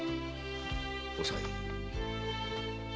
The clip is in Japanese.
おさい。